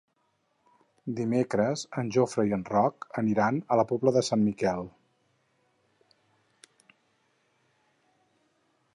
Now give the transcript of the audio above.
Dimecres en Jofre i en Roc aniran a la Pobla de Sant Miquel.